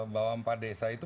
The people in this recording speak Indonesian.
bahwa empat desa itu